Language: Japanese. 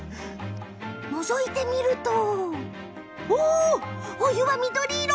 のぞいてみると、お湯は緑色。